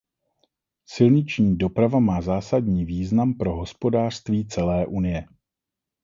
Silniční doprava má zásadní význam pro hospodářství celé Unie.